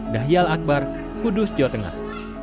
dahial akbar kudus jawa tengah